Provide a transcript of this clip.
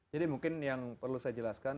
mungkin yang perlu saya jelaskan